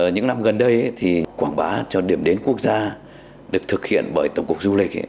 những năm gần đây thì quảng bá cho điểm đến quốc gia được thực hiện bởi tổng cục du lịch